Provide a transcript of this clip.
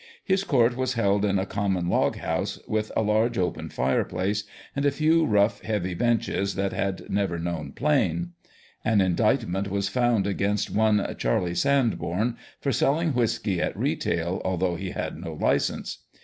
His court was held in a common log house, with a large open fireplace, and a few rough heavy benches, that had never known plane. An indictment was found against one Charley Sandborn for selling whisky at retail, although lie had no licence.